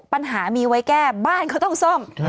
ปัญหามีไว้แก้บ้านเขาต้องซ่อม